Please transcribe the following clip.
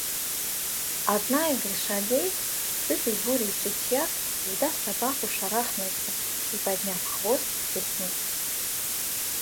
Одна из лошадей, сытый бурый третьяк, увидав собаку, шарахнулся и, подняв хвост, фыркнул.